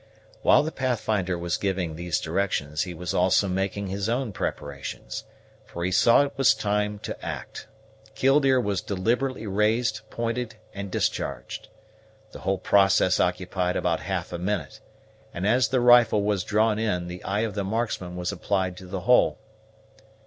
While the Pathfinder was giving these directions, he was also making his own preparations; for he saw it was time to act. Killdeer was deliberately raised, pointed, and discharged. The whole process occupied about half a minute, and as the rifle was drawn in the eye of the marksman was applied to the hole.